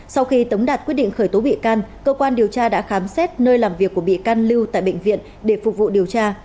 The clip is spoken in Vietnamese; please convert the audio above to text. sau khi tống đạt quyết định khởi tố bị can cơ quan điều tra đã khám xét nơi làm việc của bị can lưu tại bệnh viện để phục vụ điều tra